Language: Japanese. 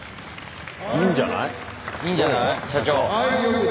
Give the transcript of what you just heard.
いいんじゃない？どう？